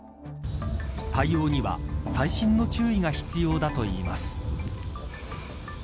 対応には細心の注意が必要だといいます。